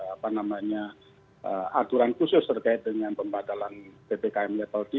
apa namanya aturan khusus terkait dengan pembatalan ppkm level tiga